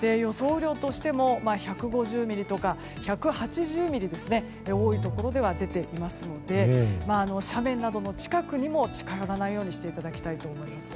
雨量としても１５０ミリとか１８０ミリと多いところでは出ていますので斜面などの近くにも近寄らないようにしていただきたいと思います。